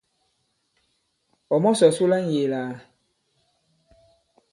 Ɔ̀ mɔ̀sɔ̀ su la ŋ̀yēē lā ?